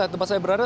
tempat saya berada